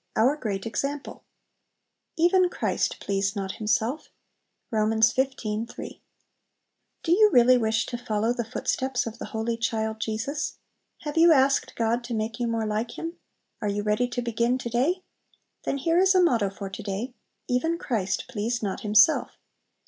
Our Great Example "Even Christ pleased not Himself." Rom. xv. 3. Do you really wish to follow the footsteps of the Holy Child Jesus? Have you asked God to make you more like Him? Are you ready to begin to day? Then here is a motto for to day, "Even Christ pleased not Himself."